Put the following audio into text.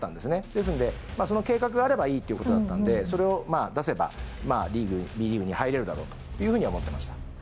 ですのでその計画があればいいという事だったのでそれを出せばＢリーグに入れるだろうというふうに思ってました。